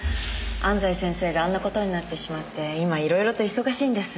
安西先生があんな事になってしまって今色々と忙しいんです。